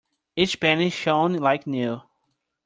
Each penny shone like new.